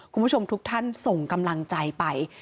คุณผู้ชมทุกท่านส่งกำลังใจไป